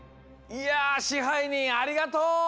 いや支配人ありがとう！